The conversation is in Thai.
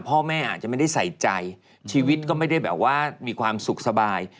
พ่อแม่อาจจะไม่ได้ใส่ใจชีวิตก็ไม่ได้แบบว่ามีความสุขสบาย